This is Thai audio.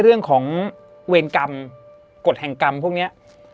เรื่องของเวรกรรมกฎแห่งกรรมพวกนี้